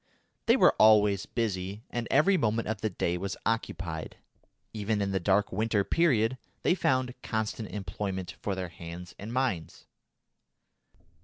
They were always busy, and every moment of the day was occupied. Even in the dark winter period they found constant employment for their hands and minds.